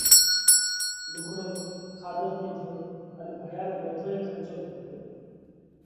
لُوگھڙو، کاڌو پِيڌو ان ڀڻيا رو ٻڌوئي کرچو ڀرتو۔